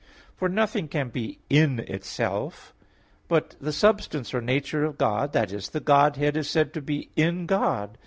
For nothing can be in itself. But the substance or nature of God i.e. the Godhead is said to be in God.